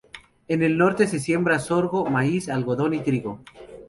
En el norte se siembra sorgo, maíz, algodón y trigo.